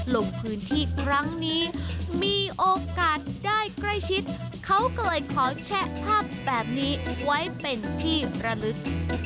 ลงพื้นที่ครั้งนี้มีโอกาสได้ใกล้ชิดเขาก็เลยขอแชะภาพแบบนี้ไว้เป็นที่ระลึก